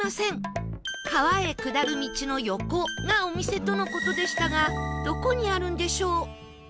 川へ下る道の横がお店との事でしたがどこにあるんでしょう？